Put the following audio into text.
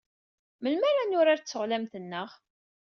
Melmi ara nurar d teɣlamt-nneɣ?